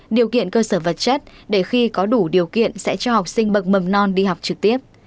điều kiện cơ sở vật chất để khi có đủ điều kiện sẽ cho học sinh bậc mầm non đi học trực tiếp